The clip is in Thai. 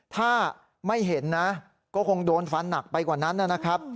ถ้าไม่เห็นนะก็คงโดนฟันหนักไปกว่านั้นนะครับ